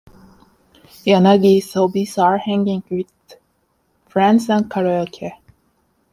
Yanagi's hobbies are hanging with friends and karaoke.